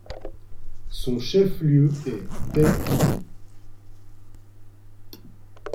Son chef-lieu est Bell Ville.